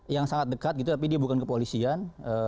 yang sangat dekat gitu tapi dia bukan kepolisian